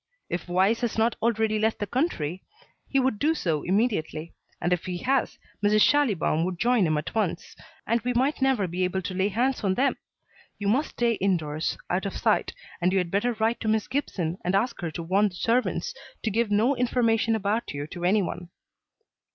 If Weiss has not already left the country he would do so immediately, and if he has, Mrs. Schallibaum would join him at once, and we might never be able to lay hands on them. You must stay indoors, out of sight, and you had better write to Miss Gibson and ask her to warn the servants to give no information about you to anyone."